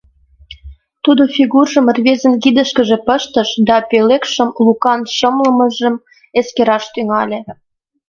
Тудо фигуржым рвезын кидышкыже пыштыш да пӧлекшым Лукан шымлымыжым эскераш тӱҥале.